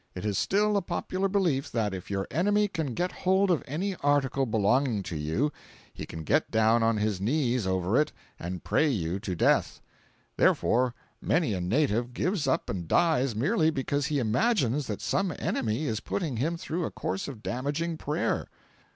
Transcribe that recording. It is still a popular belief that if your enemy can get hold of any article belonging to you he can get down on his knees over it and pray you to death. Therefore many a native gives up and dies merely because he imagines that some enemy is putting him through a course of damaging prayer.